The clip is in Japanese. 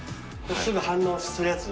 すぐ反応するやつ？